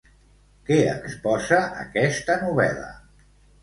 Què exposa aquesta novel·la?